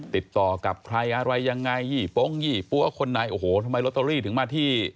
ติดต่อกับใครอะไรยังไงยี่ปงยี่ปั๊วคนไหนโอ้โหทำไมลอตเตอรี่ถึงมาที่